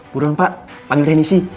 buruan pak panggil teknisi